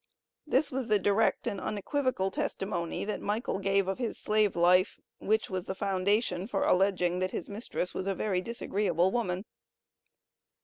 This was the direct, and unequivocal testimony that Michael gave of his slave life, which was the foundation for alleging that his mistress was a "very disagreeable woman."